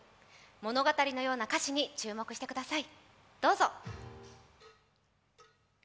物語のような歌詞に注目してください。